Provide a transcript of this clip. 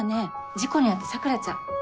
事故に遭った桜ちゃん。